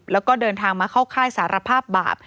แล้วก็เดินทางมาเข้าค่ายสารภาพบาป